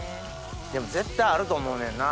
でも絶対あると思うねんな。